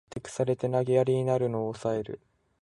ふてくされて投げやりになるのをおさえる